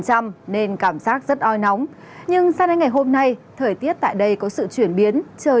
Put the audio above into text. trăm nên cảm giác rất oi nóng nhưng sau này ngày hôm nay thời tiết tại đây có sự chuyển biến trời